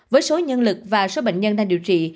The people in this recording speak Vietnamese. với số nhân lực và số bệnh nhân đang điều trị